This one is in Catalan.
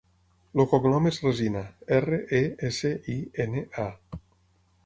El cognom és Resina: erra, e, essa, i, ena, a.